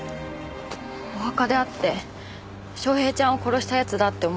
お墓で会って昌平ちゃんを殺した奴だって思った。